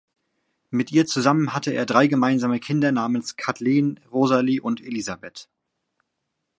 Mit ihr zusammen hatte er drei gemeinsame Kinder namens Kathleen, Rosalie und Elizabeth.